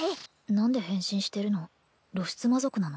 何で変身してるの？